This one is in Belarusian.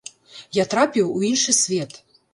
Я трапіў у іншы свет.